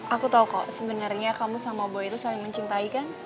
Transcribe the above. aku tahu kok sebenarnya kamu sama boy itu saling mencintai kan